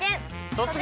「突撃！